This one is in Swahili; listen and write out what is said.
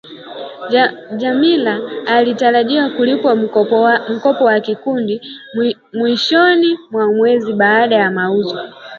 Jamila alitarajiwa kulipa mkopo wa kikundi mwsihoni mwa mwezi baada ya mauzo